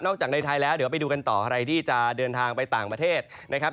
จากในไทยแล้วเดี๋ยวไปดูกันต่อใครที่จะเดินทางไปต่างประเทศนะครับ